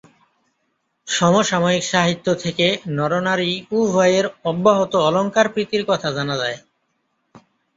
সমসাময়িক সাহিত্য থেকে নরনারী উভয়ের অব্যাহত অলঙ্কার প্রীতির কথা জানা যায়।